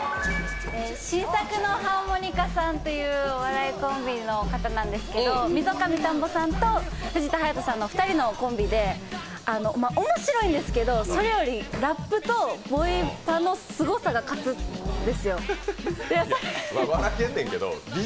新作のハーモニカさんというお笑いコンビの方なんですけど溝上たんぼさんと藤田隼人さんの２人のコンビで面白いんですけどそれよりラップとボイパのすごさが勝つんですよ。